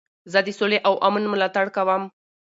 زه د سولي او امن ملاتړ کوم.